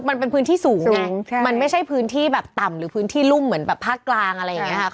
มันเป็นพื้นที่สูงไงมันไม่ใช่พื้นที่แบบต่ำหรือพื้นที่รุ่มเหมือนแบบภาคกลางอะไรอย่างนี้ค่ะ